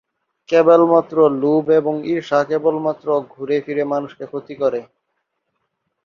কেবলমাত্র লোভ এবং ঈর্ষা কেবলমাত্র ঘুরে ফিরে মানুষকে ক্ষতি করে।